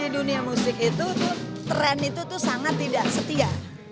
dunia musik itu tren itu sangat tidak setia